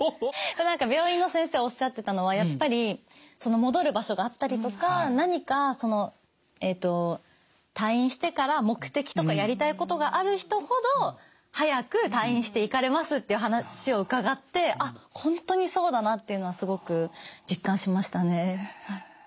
何か病院の先生おっしゃってたのはやっぱり戻る場所があったりとか何かその退院してから目的とかやりたいことがある人ほど早く退院していかれますっていう話を伺ってあっ本当にそうだなっていうのはすごく実感しましたね。